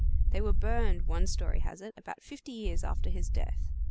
They were burned, one story has it, about fifty years after his death.